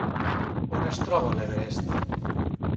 On es troba l'Everest?